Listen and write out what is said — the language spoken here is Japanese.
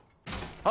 あ。